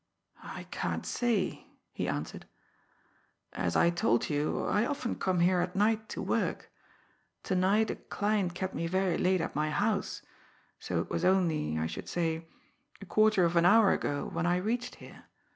"I can't say," he answered. "As I told you, I often come here at night to work. To night a client kept me very late at my house, so it was only, I should say, a quarter of an hour ago when I reached here.